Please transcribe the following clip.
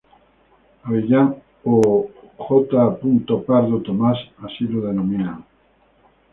Abellán o J. Pardo Tomás así lo denominan.